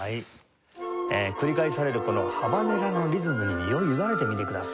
繰り返されるこのハバネラのリズムに身を委ねてみてください。